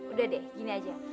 udah deh gini aja